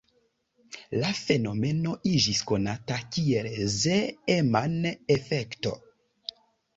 La fenomeno iĝis konata kiel Zeeman-efekto.